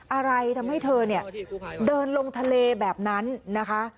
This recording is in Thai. อะไรทำให้เธอเนี่ยเดินลงทะเลแบบนั้นนะคะ